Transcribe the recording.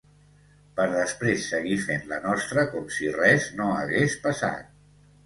Per després seguir fent la nostra com si res no hagués passat.